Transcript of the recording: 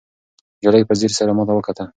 نجلۍ په ځیر سره ماته وکتل.